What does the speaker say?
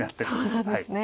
そうなんですね。